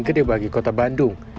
gede bagi kota bandung